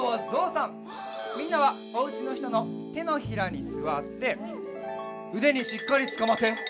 みんなはおうちのひとのてのひらにすわってうでにしっかりつかまって。